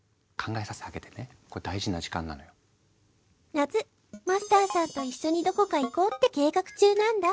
夏マスターさんと一緒にどこか行こうって計画中なんだ。